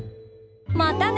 またね！